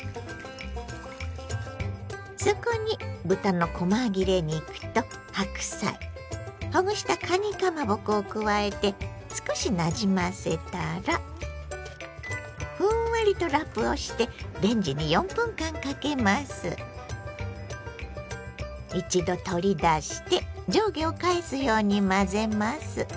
そこに豚のこま切れ肉と白菜ほぐしたかにかまぼこを加えて少しなじませたらふんわりとラップをして一度取り出して上下を返すように混ぜます。